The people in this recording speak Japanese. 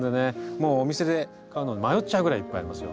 もうお店で買うのを迷っちゃうぐらいいっぱいありますよ。